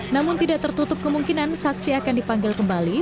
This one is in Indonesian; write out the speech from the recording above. namun tidak tertutup kemungkinan saksi akan dipanggil kembali